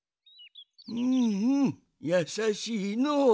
うんうんやさしいのう。